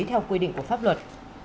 theo quy định của pháp luật